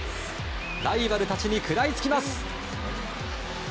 ライバルたちに食らいつきます。